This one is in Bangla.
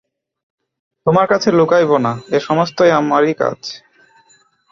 তোমার কাছে লুকাইব না, এ-সমস্তই আমারই কাজ।